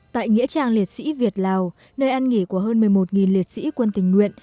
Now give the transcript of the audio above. tại nghĩa trang liệt sĩ việt lào nơi ăn nghỉ của hơn một mươi một liệt sĩ quân tình nguyện